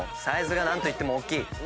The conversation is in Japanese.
サイズが何といっても大きい。